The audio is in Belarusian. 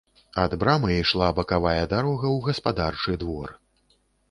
Ад брамы ішла бакавая дарога ў гаспадарчы двор.